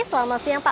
selamat siang pak